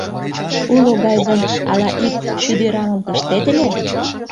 — Уло гай гын, ала ик шӱдӱрамым пыштет ыле?